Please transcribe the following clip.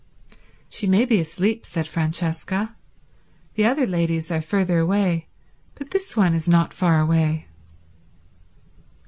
"She may be asleep," said Francesca. "The other ladies are further away, but this one is not far away."